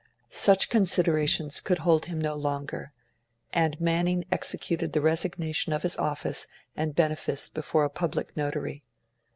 Such considerations could hold him no longer, and Manning executed the resignation of his office and benefice before a public notary.